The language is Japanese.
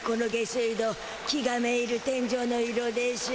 気がめいる天じょうの色でしゅ。